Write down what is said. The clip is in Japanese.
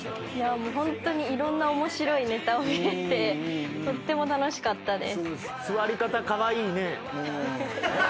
ホントにいろんな面白いネタを見られてとっても楽しかったです。